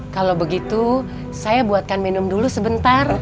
kalau begitu saya buatkan minum dulu sebentar